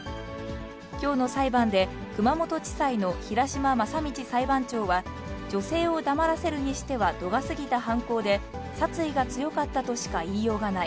きょうの裁判で、熊本地裁の平島正道裁判長は、女性を黙らせるにしては度が過ぎた犯行で、殺意が強かったとしか言いようがない。